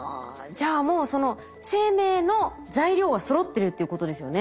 じゃあもうその生命の材料はそろってるっていうことですよね。